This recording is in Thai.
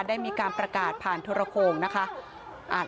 ได้มีการประกาศผ่านโทรโครงนะคะ